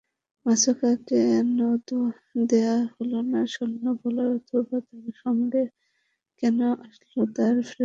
মূসাকে কেন দেয়া হল না স্বর্ণবলয় অথবা তার সংগে কেন আসল না ফেরেশতাগণ দলবদ্ধভাবে?